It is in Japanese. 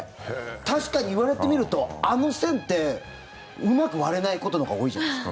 確かに言われてみるとあの線ってうまく割れないことのほうが多いじゃないですか。